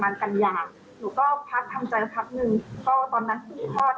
มันก็ไม่มีอย่างทำต้องโควิด